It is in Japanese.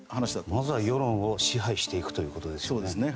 まずは世論を支配していくということですね。